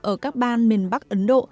ở các ban miền bắc ấn độ